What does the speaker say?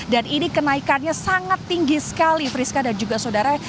ini kenaikannya sangat tinggi sekali friska dan juga saudara